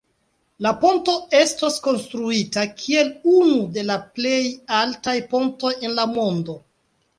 La ponto estos konstruita kiel unu de la plej altaj pontoj en la mondo.